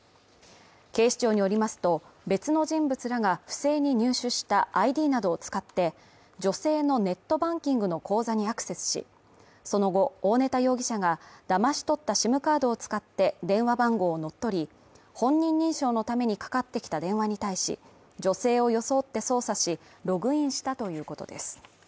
警視庁によりますと、別の人物らが不正に入手したＩＤなどを使って女性のネットバンキングの口座にアクセスし、その後、大根田容疑者がだまし取ったＳＩＭカードを使って電話番号をのっとり、本人認証のためにかかってきた電話に対し、女性を装って操作しログインしたということです。